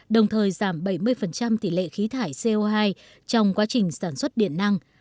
đồng thời giảm bảy mươi tỷ lệ khí thải co hai trong quá trình sản xuất điện năng